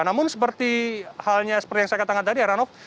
namun seperti halnya seperti yang saya katakan tadi heranov